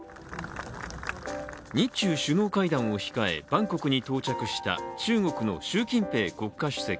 日中首脳会談を控え、バンコクに到着した中国の習近平国家主席。